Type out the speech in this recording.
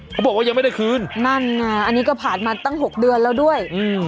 เขาบอกว่ายังไม่ได้คืนนั่นไงอันนี้ก็ผ่านมาตั้ง๖เดือนแล้วด้วยอืม